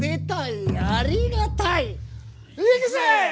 いくぜ！